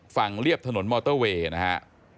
ฝั่งเรียบถนนมอเตอร์เวย์นะครับ